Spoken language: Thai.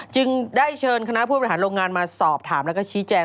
จึงได้เชิญคณะผู้บริหารโรงงานมาสอบถามแล้วก็ชี้แจง